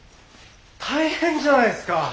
大変じゃないすか！